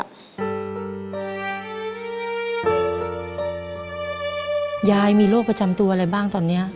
ยายมีโรคประจำตัวอะไรบ้างตอนนี้